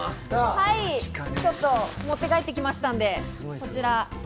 ちょっと持って帰ってきましたんで、こちら。